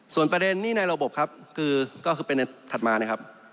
ส่วนประเด็นหนี้ในระบบครับก็คือประเด็นถัดมานะครับ